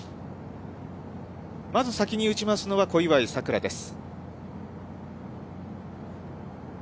まず先に打ちますのは、小祝さくらです。